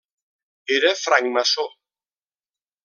Era francmaçó.